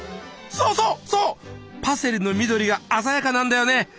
そうそうそうパセリの緑が鮮やかなんだよね。